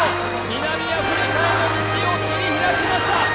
南アフリカへの道を切り開きました